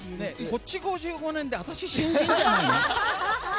こっち５５年で私、新人みたい。